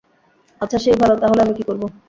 আচ্ছা সেই ভালো, তা হলে আমি কী করব।